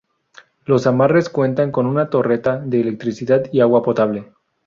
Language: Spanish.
Los amarres cuentan con una torreta de electricidad y agua potable.